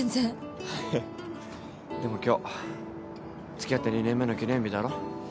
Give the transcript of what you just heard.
でも今日付き合って２年目の記念日だろ。